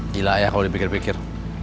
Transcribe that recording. gila ya kalau dipikir pikir